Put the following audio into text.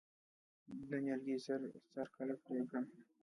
د نیالګي سر کله پرې کړم؟